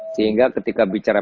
sehingga ketika bicara